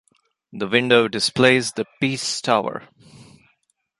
The window displays the Peace Tower.